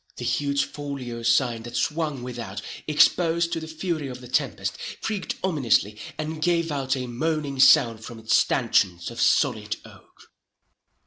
The huge folio sign that swung without, exposed to the fury of the tempest, creaked ominously, and gave out a moaning sound from its stanchions of solid oak.